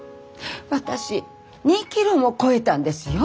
私２キロも肥えたんですよ？